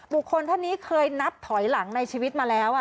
ท่านนี้เคยนับถอยหลังในชีวิตมาแล้ว